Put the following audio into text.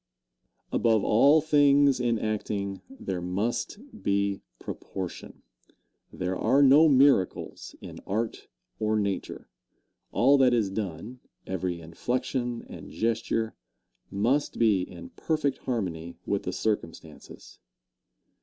Answer. Above all things in acting, there must be proportion. There are no miracles in art or nature. All that is done every inflection and gesture must be in perfect harmony with the circumstances.